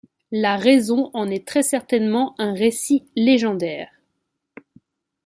La raison en est très certainement un récit légendaire.